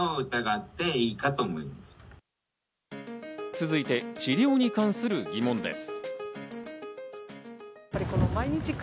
続いて治療に関する疑問です。